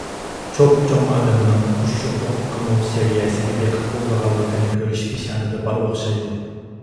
چوپچوڭ ئادەمنىڭ ئۇششۇقلۇقىمۇ سەۋىيسىگە بېقىپ بولىدىغانلىقىنى كۆرۈش پىشانىدە بار ئوخشايدۇ.